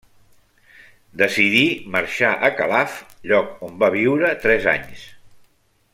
Decidí marxar a Calaf, lloc on va viure tres anys.